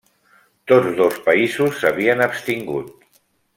Tots dos països s'havien abstingut.